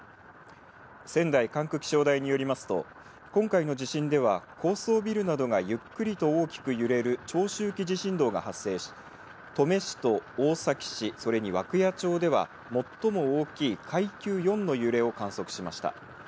仙台管区気象台によりますと今回の地震では高層ビルなどがゆっくりと大きく揺れる長周期地震動が発生し登米市と大崎市それに涌谷町では、最も大きい階級４の揺れを観測しました。